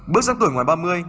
bước sang tuổi ngoài ba mươi